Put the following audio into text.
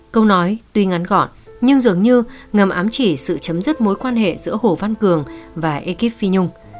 câu nói tuy ngắn gọn nhưng dường như ngầm ám chỉ sự chấm dứt mối quan hệ giữa hồ văn cường và ekip phi nhung